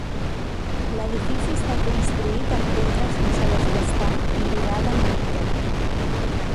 L'edifici està construït amb pedra sense desbastar lligada amb morter.